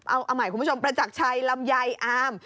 เอาใหม่คุณผู้ชมประจักรชัยลำไยอาม